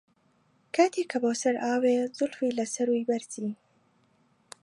کاتێ کە بۆ سەر ئاوێ، زولفی لە سەرووی بەرزی